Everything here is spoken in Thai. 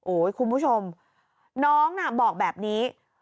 โอ้ยคุณผู้ชมน้องบอกแบบนี้